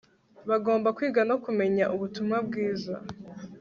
bagomba kwiga no kumenya ubutumwa bwiza